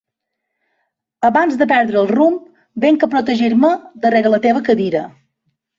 Abans de perdre el rumb vinc a protegir-me rere la teva cadira.